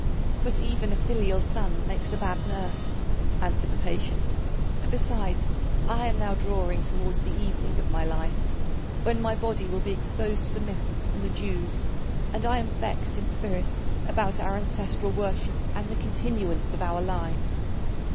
"But even a filial son makes a bad nurse," answered the patient; "besides, I am now drawing towards the evening of my life, when my body will be exposed to the mists and the dews, and I am vexed in spirit about our ancestral worship and the continuance of our line."